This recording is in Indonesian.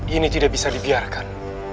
ini tidak bisa dibiarkan